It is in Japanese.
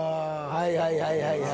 はいはいはいはい。